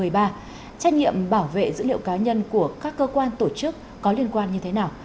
trách nhiệm bảo vệ dữ liệu cá nhân của các cơ quan tổ chức có liên quan như thế nào